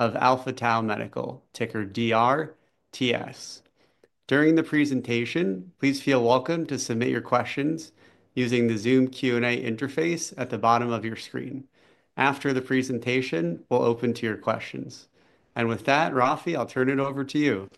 Of Alpha Tau Medical, ticker DRTS. During the presentation, please feel welcome to submit your questions using the Zoom Q&A interface at the bottom of your screen. After the presentation, we will open to your questions. With that, Raphi, I will turn it over to you.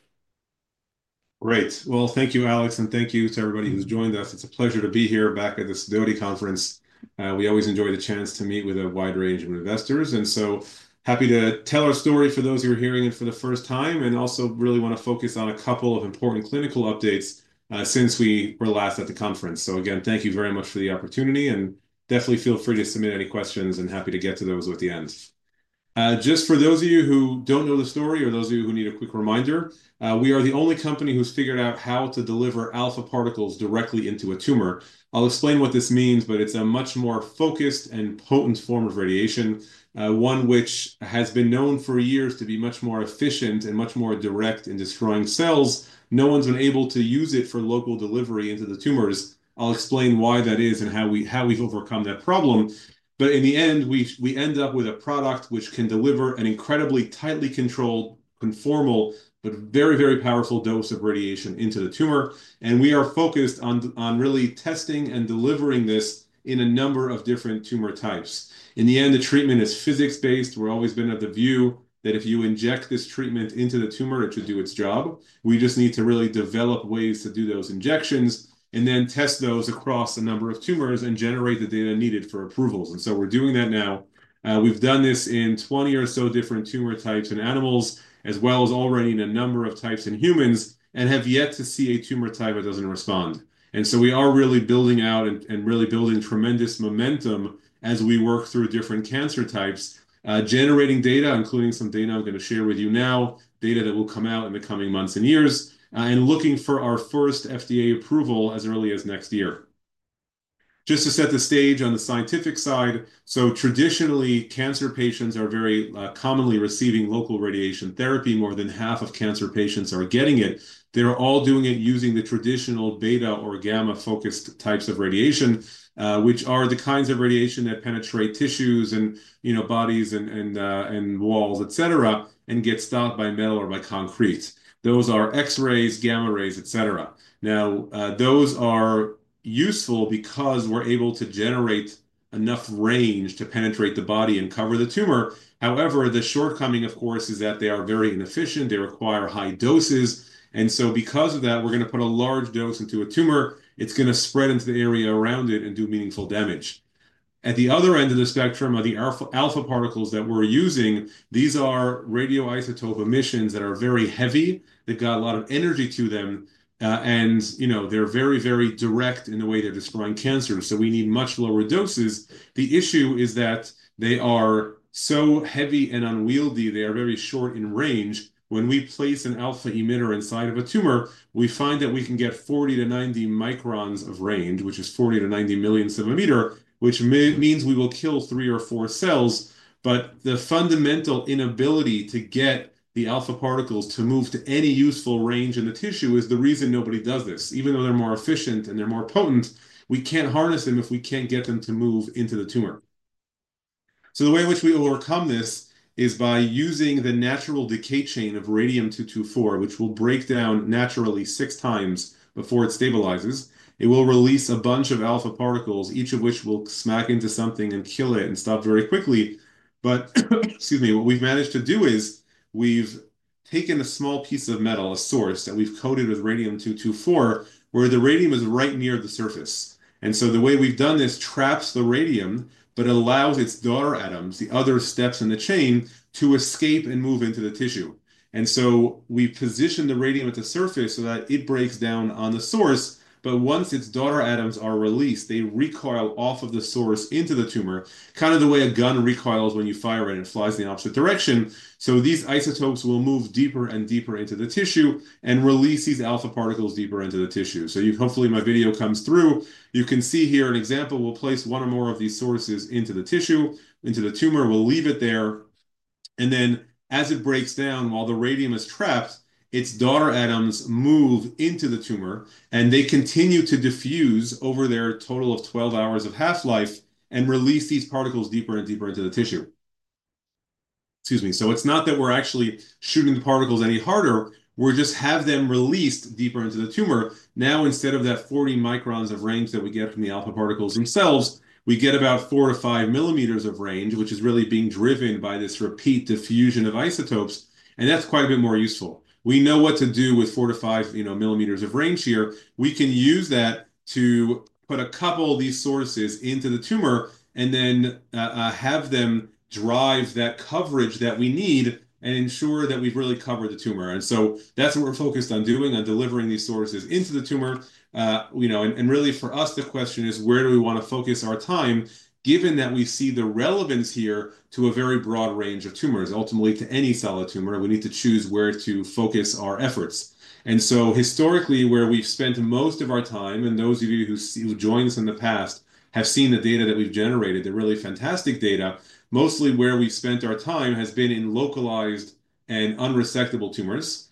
Great. Thank you, Alex, and thank you to everybody who's joined us. It's a pleasure to be here back at the Sidoti Conference. We always enjoy the chance to meet with a wide range of investors. I am happy to tell our story for those who are hearing it for the first time, and also really want to focus on a couple of important clinical updates since we were last at the conference. Thank you very much for the opportunity, and definitely feel free to submit any questions, and happy to get to those at the end. Just for those of you who don't know the story, or those of you who need a quick reminder, we are the only company who's figured out how to deliver alpha particles directly into a tumor. I'll explain what this means, but it's a much more focused and potent form of radiation, one which has been known for years to be much more efficient and much more direct in destroying cells. No one's been able to use it for local delivery into the tumors. I'll explain why that is and how we've overcome that problem. In the end, we end up with a product which can deliver an incredibly tightly controlled, conformal, but very, very powerful dose of radiation into the tumor. We are focused on really testing and delivering this in a number of different tumor types. In the end, the treatment is physics-based. We've always been of the view that if you inject this treatment into the tumor, it should do its job. We just need to really develop ways to do those injections and then test those across a number of tumors and generate the data needed for approvals. We are doing that now. We have done this in 20 or so different tumor types in animals, as well as already in a number of types in humans, and have yet to see a tumor type that does not respond. We are really building out and really building tremendous momentum as we work through different cancer types, generating data, including some data I am going to share with you now, data that will come out in the coming months and years, and looking for our first FDA approval as early as next year. Just to set the stage on the scientific side, traditionally, cancer patients are very commonly receiving local radiation therapy. More than half of cancer patients are getting it. They're all doing it using the traditional beta or gamma-focused types of radiation, which are the kinds of radiation that penetrate tissues and bodies and walls, etc., and get stopped by metal or by concrete. Those are X-rays, gamma rays, etc. Now, those are useful because we're able to generate enough range to penetrate the body and cover the tumor. However, the shortcoming, of course, is that they are very inefficient. They require high doses. Because of that, we're going to put a large dose into a tumor. It's going to spread into the area around it and do meaningful damage. At the other end of the spectrum are the alpha particles that we're using. These are radioisotope emissions that are very heavy. They've got a lot of energy to them. They're very, very direct in the way they're destroying cancers. We need much lower doses. The issue is that they are so heavy and unwieldy. They are very short in range. When we place an alpha emitter inside of a tumor, we find that we can get 40-90 microns of range, which is 40-90 millionths of a meter, which means we will kill three or four cells. The fundamental inability to get the alpha particles to move to any useful range in the tissue is the reason nobody does this. Even though they're more efficient and they're more potent, we can't harness them if we can't get them to move into the tumor. The way in which we overcome this is by using the natural decay chain of radium-224, which will break down naturally six times before it stabilizes. It will release a bunch of alpha particles, each of which will smack into something and kill it and stop very quickly. Excuse me, what we've managed to do is we've taken a small piece of metal, a source that we've coated with radium-224, where the radium is right near the surface. The way we've done this traps the radium but allows its daughter atoms, the other steps in the chain, to escape and move into the tissue. We position the radium at the surface so that it breaks down on the source. Once its daughter atoms are released, they recoil off of the source into the tumor, kind of the way a gun recoils when you fire it and it flies in the opposite direction. These isotopes will move deeper and deeper into the tissue and release these alpha particles deeper into the tissue. Hopefully, my video comes through. You can see here an example. We'll place one or more of these sources into the tissue, into the tumor. We'll leave it there. As it breaks down, while the radium is trapped, its daughter atoms move into the tumor, and they continue to diffuse over their total of 12 hours of half-life and release these particles deeper and deeper into the tissue. Excuse me. It's not that we're actually shooting the particles any harder. We just have them released deeper into the tumor. Now, instead of that 40 microns of range that we get from the alpha particles themselves, we get about 4-5ml of range, which is really being driven by this repeat diffusion of isotopes. That is quite a bit more useful. We know what to do with 4-5ml of range here. We can use that to put a couple of these sources into the tumor and then have them drive that coverage that we need and ensure that we have really covered the tumor. That is what we are focused on doing, on delivering these sources into the tumor. Really, for us, the question is, where do we want to focus our time, given that we see the relevance here to a very broad range of tumors, ultimately to any solid tumor? We need to choose where to focus our efforts. Historically, where we've spent most of our time, and those of you who joined us in the past have seen the data that we've generated, the really fantastic data, mostly where we've spent our time has been in localized and unresectable tumors.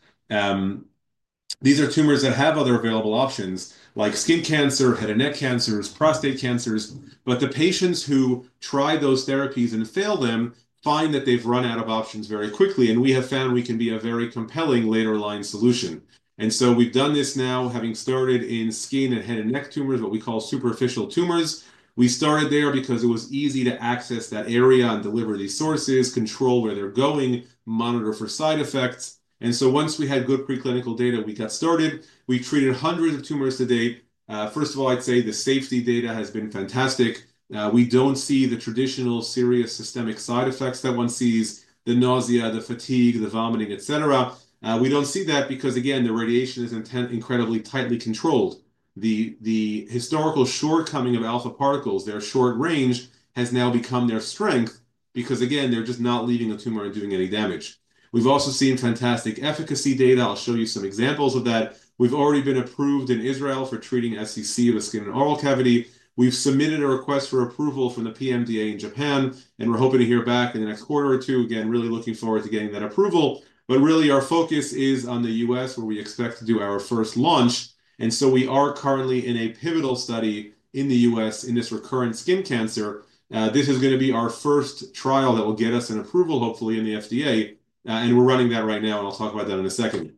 These are tumors that have other available options, like skin cancer, head and neck cancers, prostate cancers. The patients who try those therapies and fail them find that they've run out of options very quickly. We have found we can be a very compelling later-line solution. We've done this now, having started in skin and head and neck tumors, what we call superficial tumors. We started there because it was easy to access that area and deliver these sources, control where they're going, monitor for side effects. Once we had good preclinical data, we got started. We treated hundreds of tumors to date. First of all, I'd say the safety data has been fantastic. We don't see the traditional serious systemic side effects that one sees, the nausea, the fatigue, the vomiting, etc. We don't see that because, again, the radiation is incredibly tightly controlled. The historical shortcoming of alpha particles, their short range, has now become their strength because, again, they're just not leaving a tumor and doing any damage. We've also seen fantastic efficacy data. I'll show you some examples of that. We've already been approved in Israel for treating SCC of the skin and oral cavity. We've submitted a request for approval from the PMDA in Japan, and we're hoping to hear back in the next quarter or two. Really looking forward to getting that approval. Really, our focus is on the US, where we expect to do our first launch. We are currently in a pivotal study in the US in this recurrent skin cancer. This is going to be our first trial that will get us an approval, hopefully, in the FDA. We're running that right now. I'll talk about that in a second.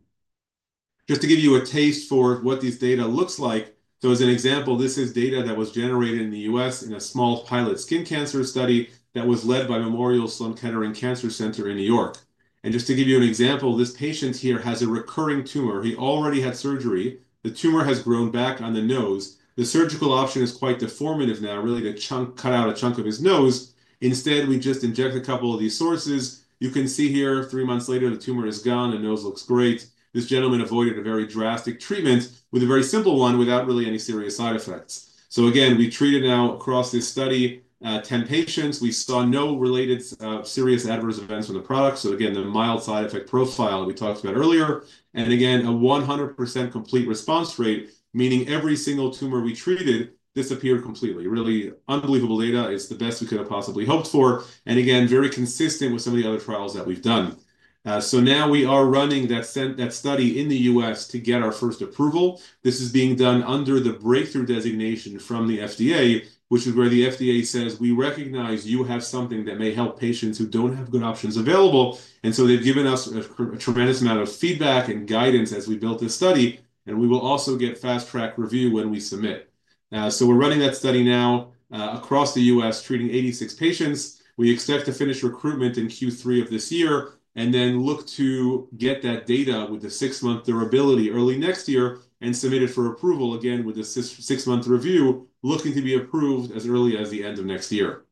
Just to give you a taste for what these data looks like, as an example, this is data that was generated in the US in a small pilot skin cancer study that was led by Memorial Sloan Kettering Cancer Center in New York. Just to give you an example, this patient here has a recurring tumor. He already had surgery. The tumor has grown back on the nose. The surgical option is quite deformative now, really, to cut out a chunk of his nose. Instead, we just inject a couple of these sources. You can see here, three months later, the tumor is gone. The nose looks great. This gentleman avoided a very drastic treatment with a very simple one without really any serious side effects. Again, we treated now across this study 10 patients. We saw no related serious adverse events from the product. Again, the mild side effect profile that we talked about earlier. Again, a 100% complete response rate, meaning every single tumor we treated disappeared completely. Really unbelievable data. It's the best we could have possibly hoped for. Again, very consistent with some of the other trials that we've done. Now we are running that study in the US to get our first approval. This is being done under the breakthrough designation from the FDA, which is where the FDA says, "We recognize you have something that may help patients who don't have good options available." They have given us a tremendous amount of feedback and guidance as we built this study. We will also get fast-track review when we submit. We are running that study now across the US, treating 86 patients. We expect to finish recruitment in Q3 of this year and then look to get that data with the six-month durability early next year and submit it for approval again with the six-month review, looking to be approved as early as the end of next year.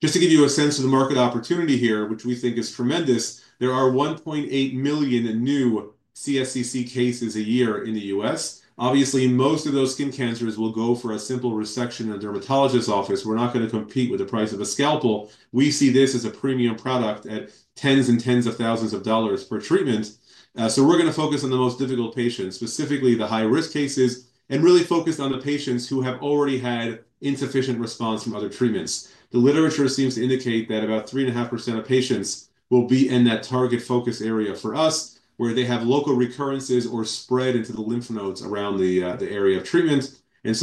Just to give you a sense of the market opportunity here, which we think is tremendous, there are 1.8 million new CSCC cases a year in the US. Obviously, most of those skin cancers will go for a simple resection in a dermatologist's office. We're not going to compete with the price of a scalpel. We see this as a premium product at tens and tens of thousands of dollars per treatment. We are going to focus on the most difficult patients, specifically the high-risk cases, and really focus on the patients who have already had insufficient response from other treatments. The literature seems to indicate that about 3.5% of patients will be in that target focus area for us, where they have local recurrences or spread into the lymph nodes around the area of treatment. Those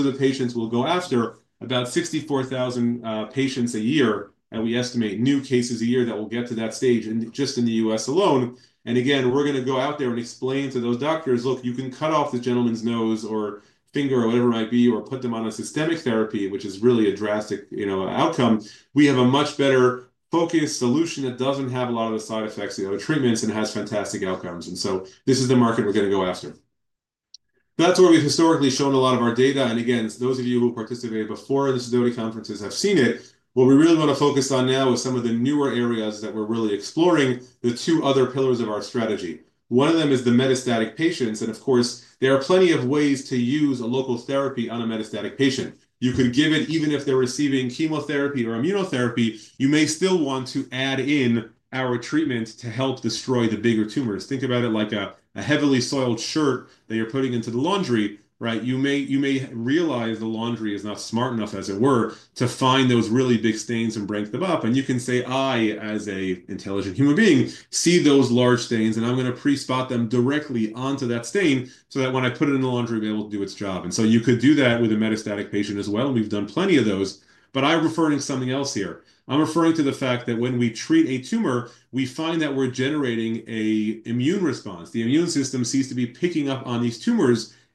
are the patients we will go after, about 64,000 patients a year. We estimate new cases a year that will get to that stage just in the United States alone. We're going to go out there and explain to those doctors, "Look, you can cut off this gentleman's nose or finger or whatever it might be, or put them on a systemic therapy, which is really a drastic outcome. We have a much better focused solution that doesn't have a lot of the side effects of the other treatments and has fantastic outcomes." This is the market we're going to go after. That's where we've historically shown a lot of our data. Those of you who participated before in the stability conferences have seen it. What we really want to focus on now is some of the newer areas that we're really exploring, the two other pillars of our strategy. One of them is the metastatic patients. Of course, there are plenty of ways to use a local therapy on a metastatic patient. You could give it, even if they're receiving chemotherapy or immunotherapy, you may still want to add in our treatment to help destroy the bigger tumors. Think about it like a heavily soiled shirt that you're putting into the laundry, right? You may realize the laundry is not smart enough, as it were, to find those really big stains and break them up. You can say, "I, as an intelligent human being, see those large stains, and I'm going to pre-spot them directly onto that stain so that when I put it in the laundry, I'll be able to do its job." You could do that with a metastatic patient as well. We've done plenty of those. I'm referring to something else here. I'm referring to the fact that when we treat a tumor, we find that we're generating an immune response. The immune system seems to be picking up on these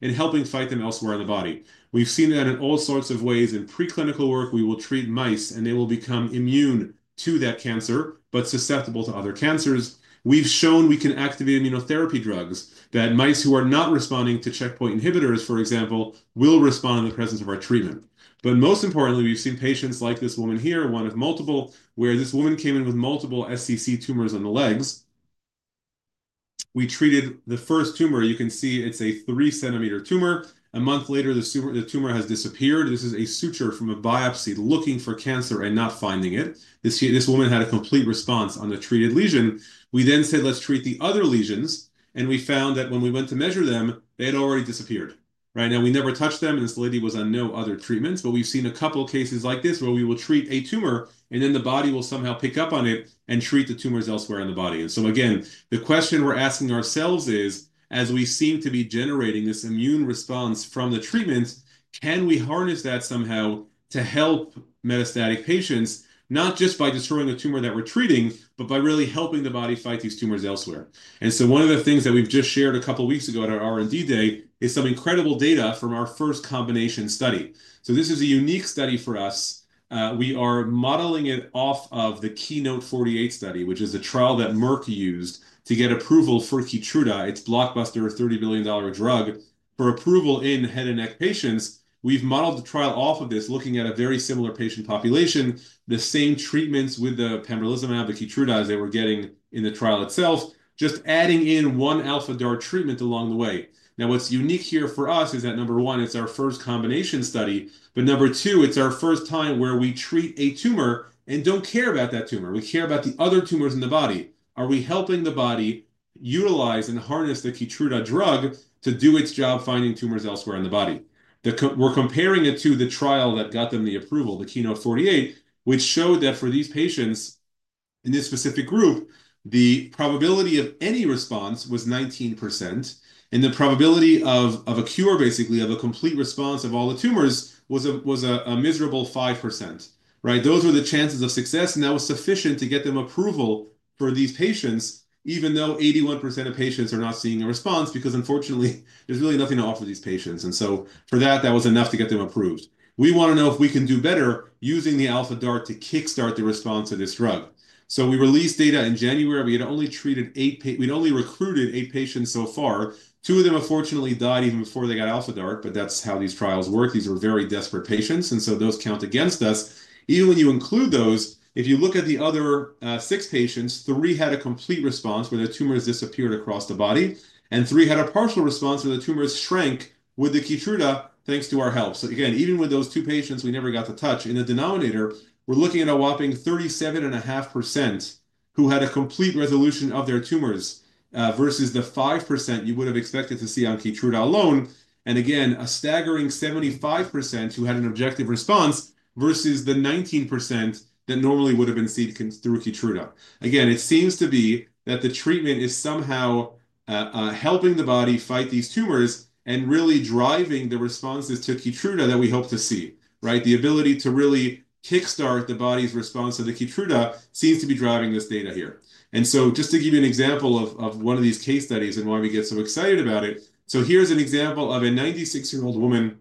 tumors and helping fight them elsewhere in the body. We've seen that in all sorts of ways. In preclinical work, we will treat mice, and they will become immune to that cancer but susceptible to other cancers. We've shown we can activate immunotherapy drugs that mice who are not responding to checkpoint inhibitors, for example, will respond in the presence of our treatment. Most importantly, we've seen patients like this woman here, one of multiple, where this woman came in with multiple SCC tumors on the legs. We treated the first tumor. You can see it's a 3cm tumor. A month later, the tumor has disappeared. This is a suture from a biopsy looking for cancer and not finding it. This woman had a complete response on the treated lesion. We then said, "Let's treat the other lesions." We found that when we went to measure them, they had already disappeared. We never touched them, and this lady was on no other treatments. We've seen a couple of cases like this where we will treat a tumor, and the body will somehow pick up on it and treat the tumors elsewhere in the body. The question we're asking ourselves is, as we seem to be generating this immune response from the treatment, can we harness that somehow to help metastatic patients, not just by destroying the tumor that we're treating, but by really helping the body fight these tumors elsewhere? One of the things that we've just shared a couple of weeks ago at our R&D Day is some incredible data from our first combination study. This is a unique study for us. We are modeling it off of the Keynote 48 study, which is the trial that Merck used to get approval for Keytruda, its blockbuster $30 billion drug, for approval in head and neck patients. We've modeled the trial off of this, looking at a very similar patient population, the same treatments with the pembrolizumab, the Keytruda they were getting in the trial itself, just adding in one Alpha DaRT treatment along the way. Now, what's unique here for us is that, number one, it's our first combination study. Number two, it's our first time where we treat a tumor and do not care about that tumor. We care about the other tumors in the body. Are we helping the body utilize and harness the Keytruda drug to do its job finding tumors elsewhere in the body? We're comparing it to the trial that got them the approval, the KEYNOTE-48, which showed that for these patients in this specific group, the probability of any response was 19%. The probability of a cure, basically of a complete response of all the tumors, was a miserable 5%. Those were the chances of success. That was sufficient to get them approval for these patients, even though 81% of patients are not seeing a response because, unfortunately, there's really nothing to offer these patients. For that, that was enough to get them approved. We want to know if we can do better using the Alpha DaRT to kickstart the response to this drug. We released data in January. We had only treated eight. We'd only recruited eight patients so far. Two of them unfortunately died even before they got Alpha DaRT, but that's how these trials work. These are very desperate patients. Those count against us. Even when you include those, if you look at the other six patients, three had a complete response where their tumors disappeared across the body, and three had a partial response where the tumors shrank with the Keytruda thanks to our help. Again, even with those two patients we never got to touch, in the denominator, we're looking at a whopping 37.5% who had a complete resolution of their tumors versus the 5% you would have expected to see on Keytruda alone, and again, a staggering 75% who had an objective response versus the 19% that normally would have been seen through Keytruda. Again, it seems to be that the treatment is somehow helping the body fight these tumors and really driving the responses to Keytruda that we hope to see. The ability to really kickstart the body's response to the Keytruda seems to be driving this data here. Just to give you an example of one of these case studies and why we get so excited about it, here's an example of a 96-year-old woman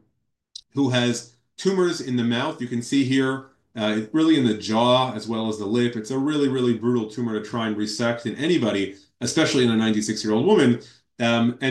who has tumors in the mouth. You can see here, really in the jaw as well as the lip. It's a really, really brutal tumor to try and resect in anybody, especially in a 96-year-old woman.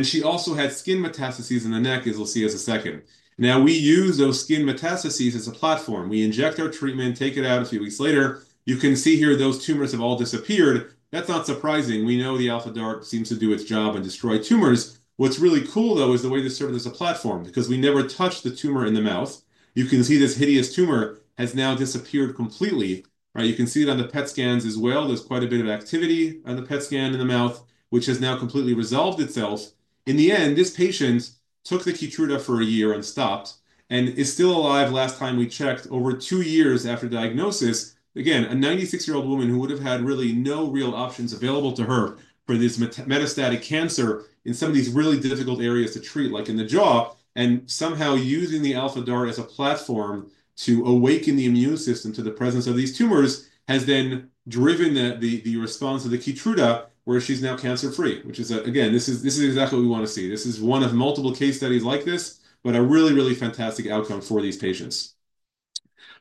She also had skin metastases in the neck, as we'll see in a second. We use those skin metastases as a platform. We inject our treatment, take it out a few weeks later. You can see here those tumors have all disappeared. That's not surprising. We know the Alpha DaRT seems to do its job and destroy tumors. What's really cool, though, is the way this served as a platform because we never touched the tumor in the mouth. You can see this hideous tumor has now disappeared completely. You can see it on the PET scans as well. There's quite a bit of activity on the PET scan in the mouth, which has now completely resolved itself. In the end, this patient took the Keytruda for a year and stopped and is still alive last time we checked over two years after diagnosis. Again, a 96-year-old woman who would have had really no real options available to her for this metastatic cancer in some of these really difficult areas to treat, like in the jaw, and somehow using the Alpha DaRT as a platform to awaken the immune system to the presence of these tumors has then driven the response of the Keytruda, where she's now cancer-free, which is, again, this is exactly what we want to see. This is one of multiple case studies like this, but a really, really fantastic outcome for these patients.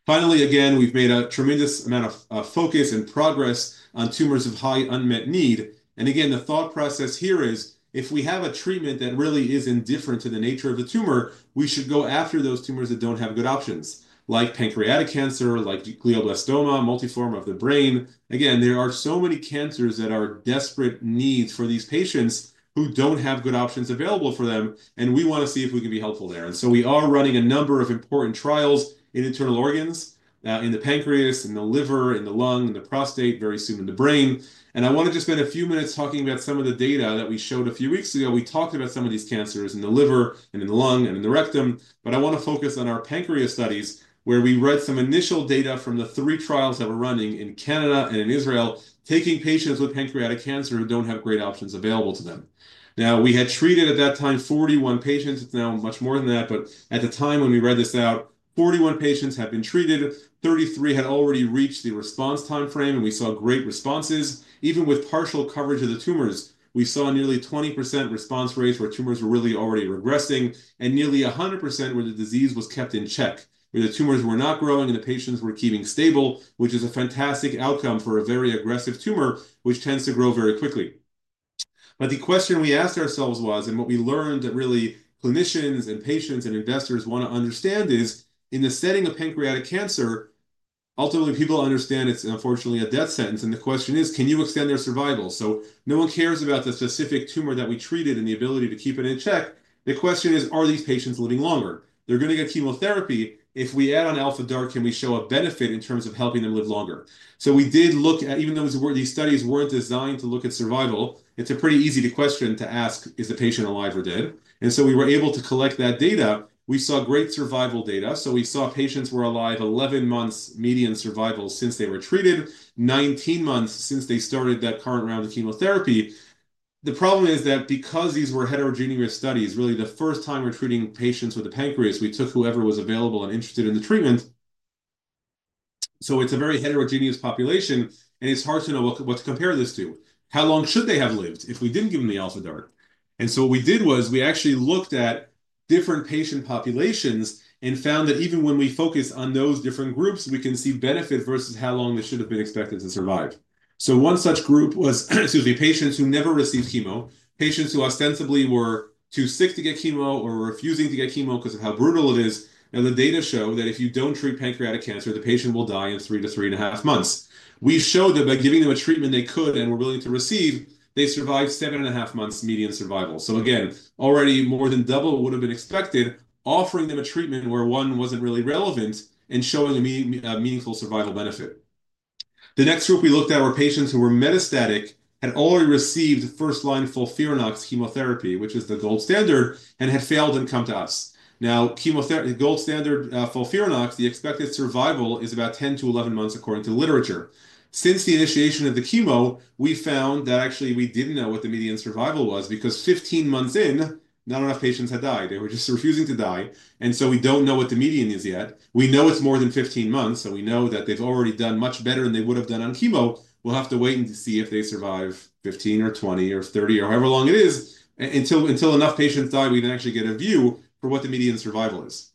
Finally, again, we've made a tremendous amount of focus and progress on tumors of high unmet need. The thought process here is, if we have a treatment that really is indifferent to the nature of the tumor, we should go after those tumors that do not have good options, like pancreatic cancer, like glioblastoma, multiforme of the brain. There are so many cancers that are desperate needs for these patients who do not have good options available for them. We want to see if we can be helpful there. We are running a number of important trials in internal organs, in the pancreas, in the liver, in the lung, in the prostate, very soon in the brain. I want to just spend a few minutes talking about some of the data that we showed a few weeks ago. We talked about some of these cancers in the liver and in the lung and in the rectum. I want to focus on our pancreas studies, where we read some initial data from the three trials that were running in Canada and in Israel, taking patients with pancreatic cancer who do not have great options available to them. We had treated at that time 41 patients. It is now much more than that. At the time when we read this out, 41 patients had been treated. 33 had already reached the response time frame, and we saw great responses. Even with partial coverage of the tumors, we saw nearly 20% response rates where tumors were really already regressing, and nearly 100% where the disease was kept in check, where the tumors were not growing and the patients were keeping stable, which is a fantastic outcome for a very aggressive tumor, which tends to grow very quickly. The question we asked ourselves was, and what we learned that really clinicians and patients and investors want to understand is, in the setting of pancreatic cancer, ultimately, people understand it's unfortunately a death sentence. The question is, can you extend their survival? No one cares about the specific tumor that we treated and the ability to keep it in check. The question is, are these patients living longer? They're going to get chemotherapy. If we add on Alpha DaRT, can we show a benefit in terms of helping them live longer? We did look at, even though these studies weren't designed to look at survival, it's a pretty easy question to ask, is the patient alive or dead? We were able to collect that data. We saw great survival data. We saw patients were alive 11 months median survival since they were treated, 19 months since they started that current round of chemotherapy. The problem is that because these were heterogeneous studies, really the first time we're treating patients with the pancreas, we took whoever was available and interested in the treatment. It is a very heterogeneous population, and it's hard to know what to compare this to. How long should they have lived if we didn't give them the Alpha DaRT? What we did was we actually looked at different patient populations and found that even when we focus on those different groups, we can see benefit versus how long they should have been expected to survive. One such group was, excuse me, patients who never received chemo, patients who ostensibly were too sick to get chemo or were refusing to get chemo because of how brutal it is. The data show that if you do not treat pancreatic cancer, the patient will die in three to three and a half months. We showed that by giving them a treatment they could and were willing to receive, they survived seven and a half months median survival. Again, already more than double what would have been expected, offering them a treatment where one was not really relevant and showing a meaningful survival benefit. The next group we looked at were patients who were metastatic, had already received first-line FOLFIRINOX chemotherapy, which is the gold standard, and had failed and come to us. Now, the gold standard FOLFIRINOX, the expected survival is about 10-11 months according to literature. Since the initiation of the chemo, we found that actually we did not know what the median survival was because 15 months in, not enough patients had died. They were just refusing to die. We do not know what the median is yet. We know it is more than 15 months, so we know that they have already done much better than they would have done on chemo. We will have to wait and see if they survive 15 or 20 or 30 or however long it is. Until enough patients die, we can actually get a view for what the median survival is.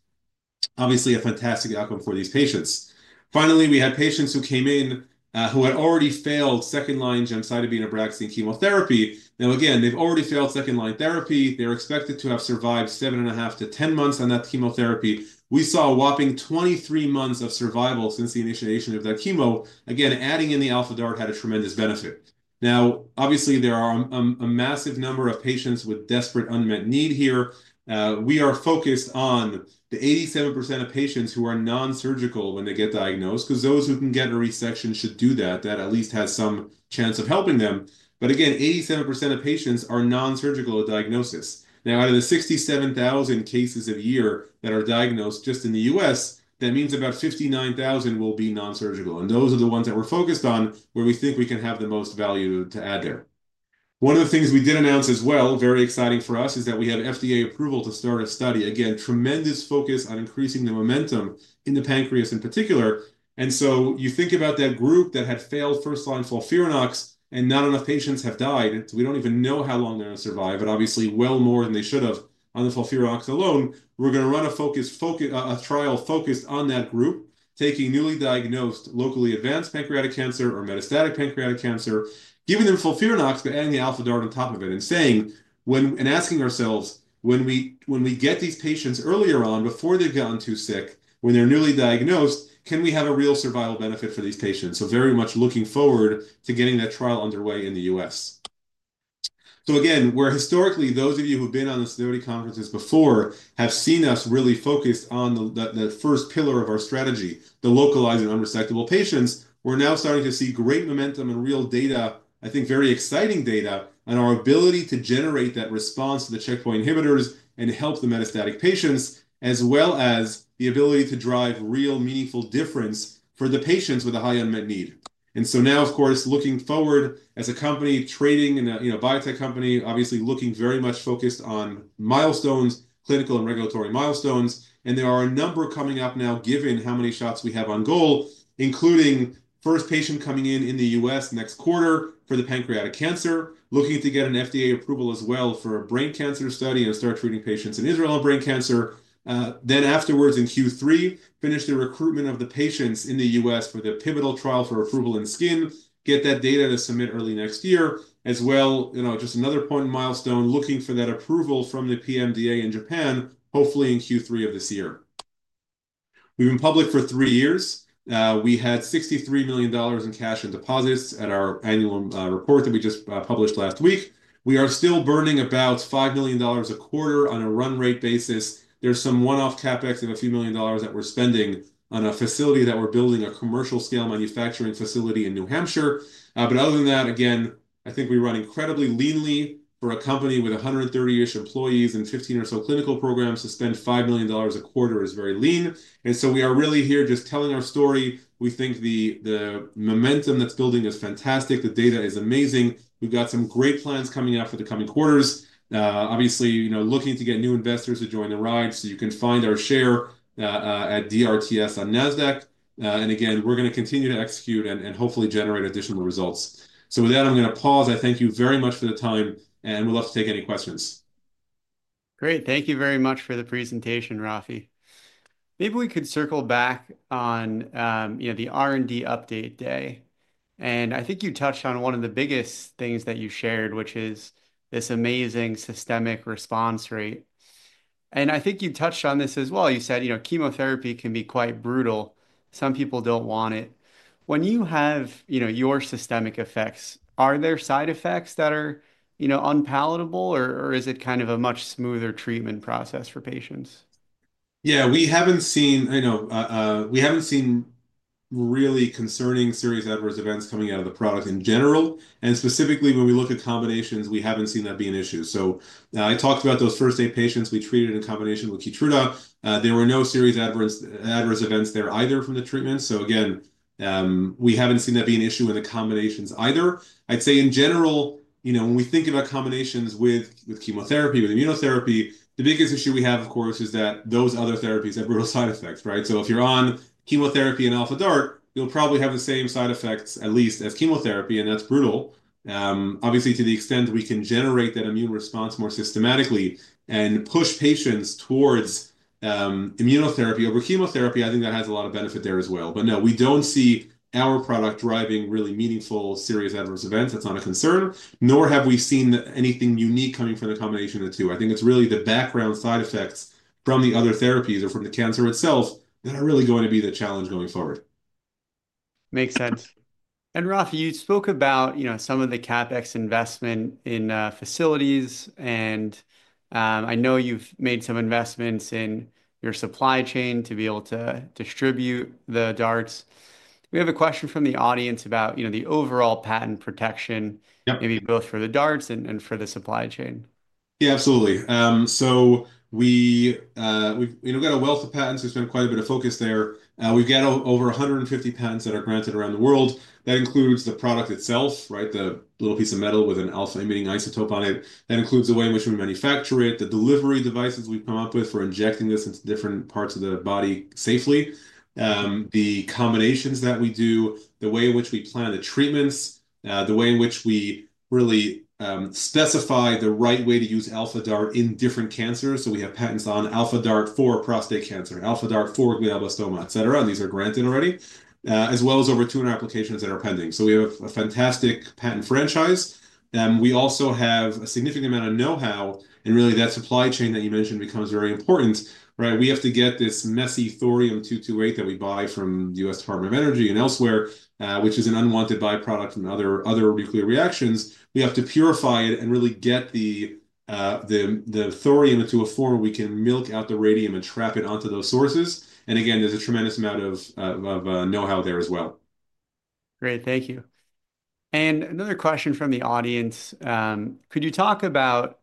Obviously, a fantastic outcome for these patients. Finally, we had patients who came in who had already failed second-line gemcitabine and Abraxane chemotherapy. Now, again, they have already failed second-line therapy. They're expected to have survived seven and a half to 10 months on that chemotherapy. We saw a whopping 23 months of survival since the initiation of that chemo. Again, adding in the Alpha DaRT had a tremendous benefit. Now, obviously, there are a massive number of patients with desperate unmet need here. We are focused on the 87% of patients who are nonsurgical when they get diagnosed because those who can get a resection should do that. That at least has some chance of helping them. Again, 87% of patients are nonsurgical of diagnosis. Now, out of the 67,000 cases a year that are diagnosed just in the US, that means about 59,000 will be nonsurgical. Those are the ones that we're focused on where we think we can have the most value to add there. One of the things we did announce as well, very exciting for us, is that we have FDA approval to start a study. Again, tremendous focus on increasing the momentum in the pancreas in particular. You think about that group that had failed first-line FOLFIRINOX and not enough patients have died. We do not even know how long they are going to survive, but obviously well more than they should have on the FOLFIRINOX alone. We are going to run a trial focused on that group, taking newly diagnosed locally advanced pancreatic cancer or metastatic pancreatic cancer, giving them FOLFIRINOX, but adding the Alpha DaRT on top of it and asking ourselves, when we get these patients earlier on, before they have gotten too sick, when they are newly diagnosed, can we have a real survival benefit for these patients? Very much looking forward to getting that trial underway in the US Again, where historically those of you who've been on the Sidoti conferences before have seen us really focused on the first pillar of our strategy, the localized and unresectable patients, we're now starting to see great momentum and real data, I think very exciting data on our ability to generate that response to the checkpoint inhibitors and help the metastatic patients, as well as the ability to drive real meaningful difference for the patients with a high unmet need. Now, of course, looking forward as a company trading in a biotech company, obviously looking very much focused on milestones, clinical and regulatory milestones. There are a number coming up now, given how many shots we have on goal, including first patient coming in in the US next quarter for the pancreatic cancer, looking to get an FDA approval as well for a brain cancer study and start treating patients in Israel on brain cancer. Afterwards, in Q3, finish the recruitment of the patients in the US for the pivotal trial for approval in skin, get that data to submit early next year. As well, just another important milestone, looking for that approval from the PMDA in Japan, hopefully in Q3 of this year. We've been public for three years. We had $63 million in cash and deposits at our annual report that we just published last week. We are still burning about $5 million a quarter on a run rate basis. There's some one-off CapEx of a few million dollars that we're spending on a facility that we're building, a commercial scale manufacturing facility in New Hampshire. Other than that, again, I think we run incredibly leanly for a company with 130-ish employees and 15 or so clinical programs to spend $5 million a quarter is very lean. We are really here just telling our story. We think the momentum that's building is fantastic. The data is amazing. We've got some great plans coming up for the coming quarters. Obviously, looking to get new investors to join the ride. You can find our share at DRTS on NASDAQ. Again, we're going to continue to execute and hopefully generate additional results. With that, I'm going to pause. I thank you very much for the time, and we'd love to take any questions. Great. Thank you very much for the presentation, Raphi. Maybe we could circle back on the R&D update day. I think you touched on one of the biggest things that you shared, which is this amazing systemic response rate. I think you touched on this as well. You said chemotherapy can be quite brutal. Some people do not want it. When you have your systemic effects, are there side effects that are unpalatable, or is it kind of a much smoother treatment process for patients? Yeah, we have not seen really concerning serious adverse events coming out of the product in general. Specifically, when we look at combinations, we have not seen that be an issue. I talked about those first eight patients we treated in combination with Keytruda. There were no serious adverse events there either from the treatment. Again, we haven't seen that be an issue in the combinations either. I'd say in general, when we think about combinations with chemotherapy, with immunotherapy, the biggest issue we have, of course, is that those other therapies have brutal side effects. If you're on chemotherapy and Alpha DaRT, you'll probably have the same side effects at least as chemotherapy, and that's brutal. Obviously, to the extent we can generate that immune response more systematically and push patients towards immunotherapy over chemotherapy, I think that has a lot of benefit there as well. No, we don't see our product driving really meaningful serious adverse events. That's not a concern, nor have we seen anything unique coming from the combination of the two. I think it's really the background side effects from the other therapies or from the cancer itself that are really going to be the challenge going forward. Makes sense. Rafi, you spoke about some of the CapEx investment in facilities, and I know you've made some investments in your supply chain to be able to distribute the DaRTs. We have a question from the audience about the overall patent protection, maybe both for the DaRTs and for the supply chain. Yeah, absolutely. We've got a wealth of patents. We spent quite a bit of focus there. We've got over 150 patents that are granted around the world. That includes the product itself, the little piece of metal with an alpha-emitting isotope on it. That includes the way in which we manufacture it, the delivery devices we've come up with for injecting this into different parts of the body safely, the combinations that we do, the way in which we plan the treatments, the way in which we really specify the right way to use Alpha DaRT in different cancers. We have patents on Alpha DaRT for prostate cancer, Alpha DaRT for glioblastoma, et cetera. These are granted already, as well as over 200 applications that are pending. We have a fantastic patent franchise. We also have a significant amount of know-how, and really that supply chain that you mentioned becomes very important. We have to get this messy thorium-228 that we buy from the US Department of Energy and elsewhere, which is an unwanted byproduct from other nuclear reactions. We have to purify it and really get the thorium into a form where we can milk out the radium and trap it onto those sources. Again, there is a tremendous amount of know-how there as well. Great. Thank you. Another question from the audience. Could you talk about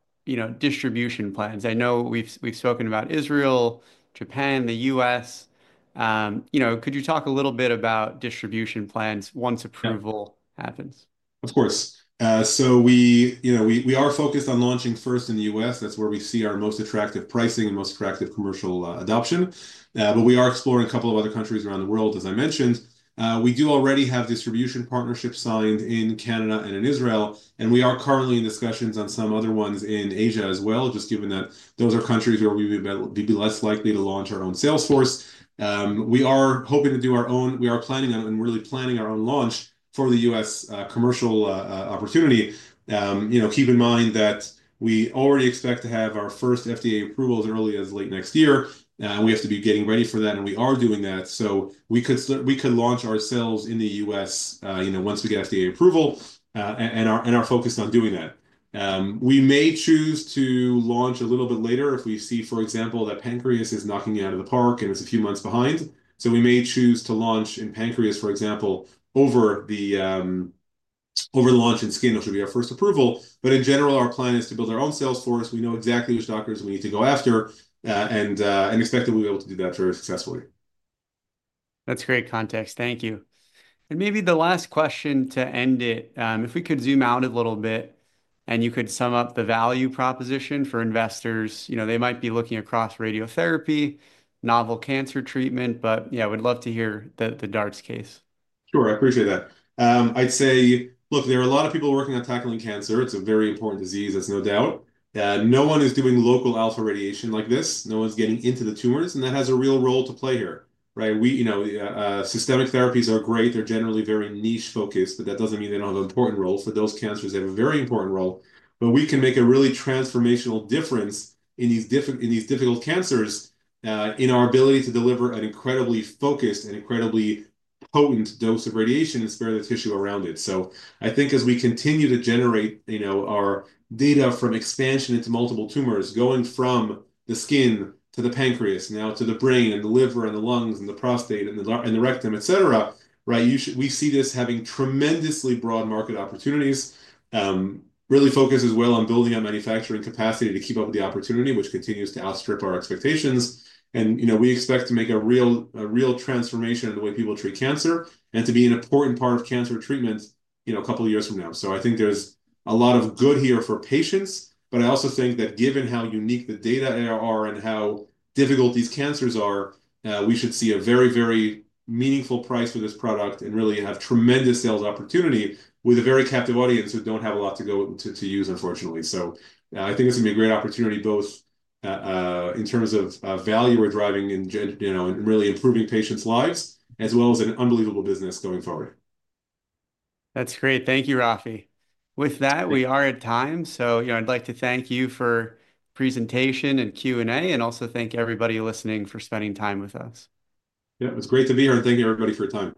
distribution plans? I know we have spoken about Israel, Japan, the US. Could you talk a little bit about distribution plans once approval happens? Of course. We are focused on launching first in the US. That is where we see our most attractive pricing and most attractive commercial adoption. We are exploring a couple of other countries around the world, as I mentioned. We do already have distribution partnerships signed in Canada and in Israel, and we are currently in discussions on some other ones in Asia as well, just given that those are countries where we would be less likely to launch our own Salesforce. We are hoping to do our own. We are planning on and really planning our own launch for the US commercial opportunity. Keep in mind that we already expect to have our first FDA approval as early as late next year. We have to be getting ready for that, and we are doing that. We could launch ourselves in the US once we get FDA approval and are focused on doing that. We may choose to launch a little bit later if we see, for example, that pancreas is knocking you out of the park and it's a few months behind. We may choose to launch in pancreas, for example, over the launch in skin, which will be our first approval. In general, our plan is to build our own Salesforce. We know exactly which doctors we need to go after and expect that we'll be able to do that very successfully. That's great context. Thank you. Maybe the last question to end it, if we could zoom out a little bit and you could sum up the value proposition for investors, they might be looking across radiotherapy, novel cancer treatment, but yeah, we'd love to hear the DaRT case. Sure. I appreciate that. I'd say, look, there are a lot of people working on tackling cancer. It's a very important disease, there's no doubt. No one is doing local alpha radiation like this. No one's getting into the tumors, and that has a real role to play here. Systemic therapies are great. They're generally very niche-focused, but that doesn't mean they don't have important roles. For those cancers, they have a very important role. We can make a really transformational difference in these difficult cancers in our ability to deliver an incredibly focused and incredibly potent dose of radiation and spare the tissue around it. I think as we continue to generate our data from expansion into multiple tumors, going from the skin to the pancreas, now to the brain and the liver and the lungs and the prostate and the rectum, et cetera, we see this having tremendously broad market opportunities, really focused as well on building our manufacturing capacity to keep up with the opportunity, which continues to outstrip our expectations. We expect to make a real transformation in the way people treat cancer and to be an important part of cancer treatment a couple of years from now. I think there is a lot of good here for patients, but I also think that given how unique the data are and how difficult these cancers are, we should see a very, very meaningful price for this product and really have tremendous sales opportunity with a very captive audience who do not have a lot to use unfortunately. I think this would be a great opportunity both in terms of value we are driving and really improving patients' lives, as well as an unbelievable business going forward. That is great. Thank you, Raphi. With that, we are at time. I would like to thank you for the presentation and Q&A, and also thank everybody listening for spending time with us. Yeah, it was great to be here and thank you, everybody, for the time.